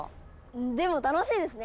でも楽しいですね！